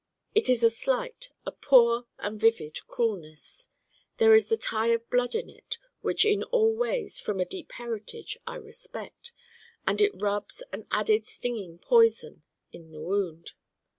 It is a slight, a poor and vivid cruelness. There is the tie of blood in it which in all ways from a deep heritage I respect: and it rubs an added stinging poison in the wound.